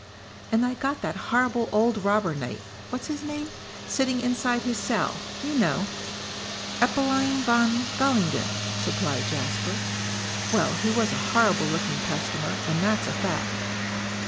"And I got that horrible old robber knight, what's his name? sitting inside his cell, you know." "Eppelein von Gallingen," supplied Jasper. "Well, he was a horrible looking customer, and that's a fact."